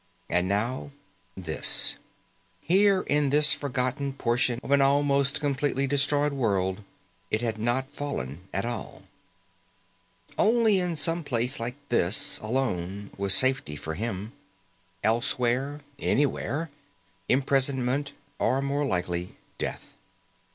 And now this. Here in this forgotten portion of an almost completely destroyed world it had not fallen at all. Only in some place like this, alone, was safety for him. Elsewhere anywhere imprisonment or, more likely, death.